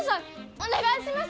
お願いします！